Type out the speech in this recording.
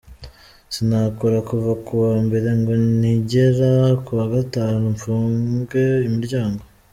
Sinakora kuva ku wa mbere ngo ningera ku wa gatanu mfunge imiryango.